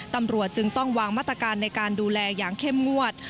ตำรวจจึงต้องวางมาตรการในการดูแลอย่างเข้มงวด